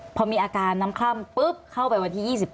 พอมีอาการน้ำคล่ำปุ๊บเข้าไปวันที่๒๗